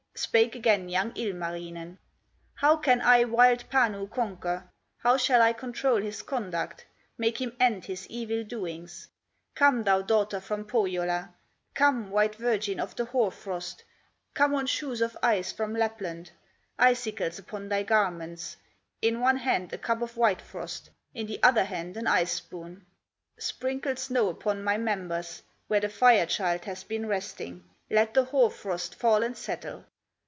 Spake again young Ilmarinen: "How can I wild Panu conquer, How shall I control his conduct, Make him end his evil doings? Come, thou daughter from Pohyola, Come, white virgin of the hoar frost, Come on shoes of ice from Lapland, Icicles upon thy garments, In one hand a cup of white frost, In the other hand an ice spoon; Sprinkle snow upon my members, Where the Fire child has been resting, Let the hoar frost fall and settle.